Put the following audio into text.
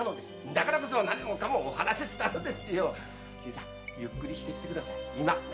だから何もかもお話ししたのですゆっくりしていってください。